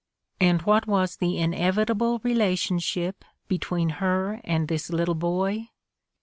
And what was the inevitable relationship between her and this little boy?